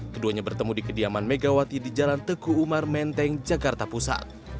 keduanya bertemu di kediaman megawati di jalan teguh umar menteng jakarta pusat